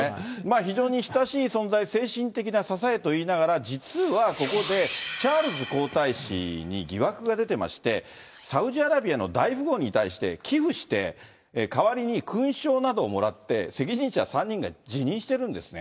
非常に親しい存在、精神的な支えと言いながら、実はここでチャールズ皇太子に疑惑が出てまして、サウジアラビアの大富豪に対して、寄付して、代わりに勲章などをもらって、責任者３人が辞任してるんですね。